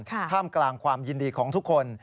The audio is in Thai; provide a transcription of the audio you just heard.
ท่ามกลางความยินดีของทุกคน